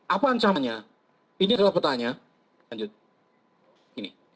apa ancamannya ini adalah pertanyaan